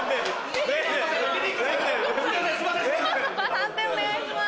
判定お願いします。